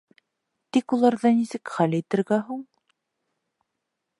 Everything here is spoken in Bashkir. Тик уларҙы нисек хәл итергә һуң?